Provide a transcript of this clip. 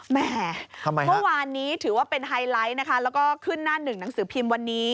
แหมความว่านี้ถือว่าเป็นไฮไลต์และก็ขึ้นหน้าหนึ่งหนังสือพิมพ์วันนี้